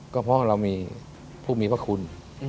ก็เพราะเรามีผู้มีพระคุณ